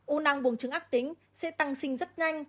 u năng buồng trứng ác tính sẽ tăng sinh rất nhanh